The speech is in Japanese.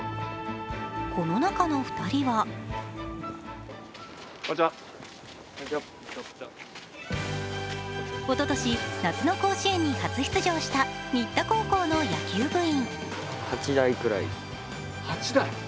この中の２人はおととし、夏の甲子園に初出場した新田高校の野球部員。